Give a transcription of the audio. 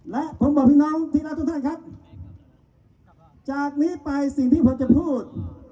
และผมบอกพี่น้องที่รักทุกท่านครับจากนี้ไปสิ่งที่ผมจะพูด